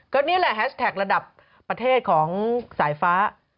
ก็นี่แหละแฮชแท็กระดับประเทศของสายฟ้า